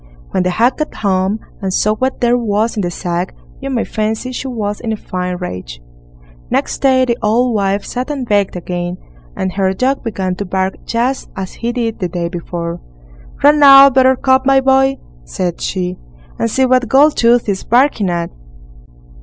When the hag got home and saw what there was in the sack, you may fancy she was in a fine rage. Next day the old wife sat and baked again, and her dog began to bark just as he did the day before. "Run out, Buttercup, my boy", said she, "and see what Goldtooth is barking at."